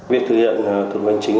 việc thực hiện thuận hành chính